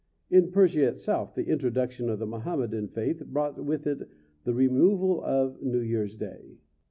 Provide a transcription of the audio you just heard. In Persia itself the introduction of the Mohammedan faith brought with it the removal of New Year's day.